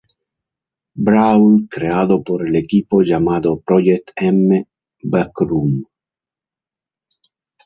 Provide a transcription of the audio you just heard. Brawl creado por el equipo llamado Project M Back Room.